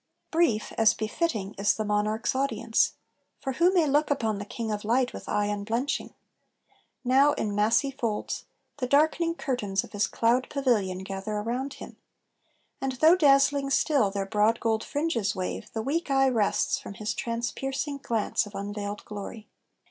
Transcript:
Brief, as befitting, is the monarch's audience; For who may look upon the King of light With eye unblenching? Now in massy folds, The darkening curtains of his cloud pavilion Gather around him; and though dazzling still Their broad gold fringes wave, the weak eye rests From his transpiercing glance of unveiled glory.